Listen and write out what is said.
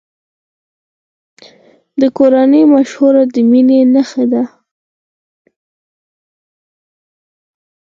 د کورنۍ مشوره د مینې نښه ده.